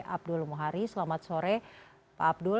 abdul muhari selamat sore pak abdul